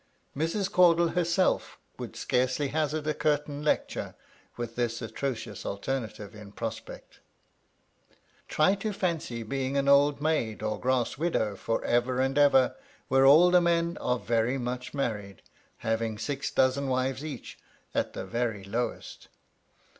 Mrs. Caudle herself would scarcely hazard a curtain lecture with this atrocious alternative in prospect. Try to fancy being an old maid or grass widow for ever and ever where all the men are very much married, having six dozen wives each at the very lowest!